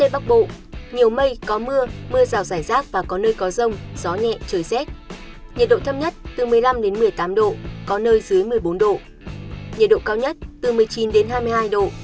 bắc bộ nhiều mây phía bắc có mưa nhỏ dài rác phía nam có mưa vài nơi